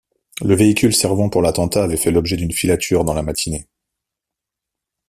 Le véhicule servant pour l'attentat avait fait l'objet d'une filature dans la matinée.